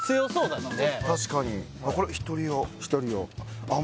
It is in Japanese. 確かにこれ一人用あっ